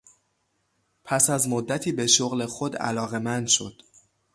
پس از مدتی به شغل خود علاقمند شد.